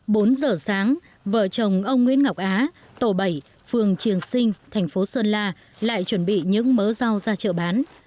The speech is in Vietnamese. bốn giờ sáng vợ chồng ông nguyễn ngọc á tổ bảy phường triềng sinh thành phố sơn la lại chuẩn bị những mớ rau ra chợ bán